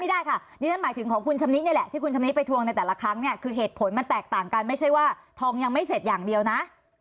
ได้ค่ะนี่ฉันหมายถึงของคุณชำนิดนี่แหละที่คุณชำนิไปทวงในแต่ละครั้งเนี่ยคือเหตุผลมันแตกต่างกันไม่ใช่ว่าทองยังไม่เสร็จอย่างเดียวนะ